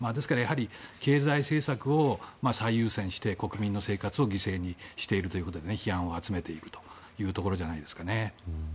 経済政策を最優先して国民の生活を犠牲にしているということで批判を集めているんじゃないですかね。